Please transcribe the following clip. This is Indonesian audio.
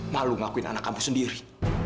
malu ngakuin anak kamu sendiri